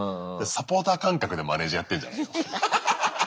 サポーター感覚でマネージャーやってんじゃないの。